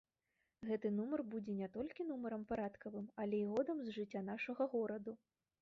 Гэты нумар будзе не толькі нумарам парадкавым, але і годам з жыцця нашага гораду.